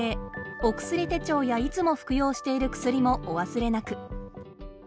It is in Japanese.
お薬手帳やいつも服用している薬もお忘れなく。